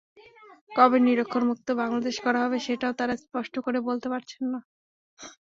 কবে নিরক্ষরমুক্ত বাংলাদেশ করা যাবে, সেটাও তাঁরা স্পষ্ট করে বলতে পারছেন না।